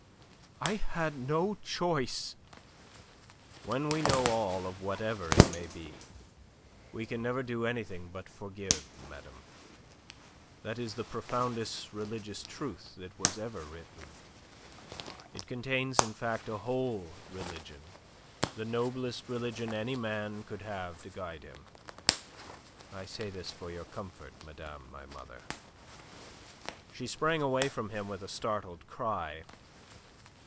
I had no choice." "When we know all of whatever it may be, we can never do anything but forgive, madame. That is the profoundest religious truth that was ever written. It contains, in fact, a whole religion the noblest religion any man could have to guide him. I say this for your comfort, madame my mother." She sprang away from him with a startled cry.